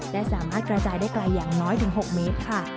และสามารถกระจายได้ไกลอย่างน้อยถึง๖เมตรค่ะ